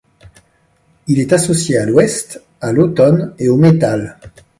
Il est associé à l'Ouest, à l'automne et au métal.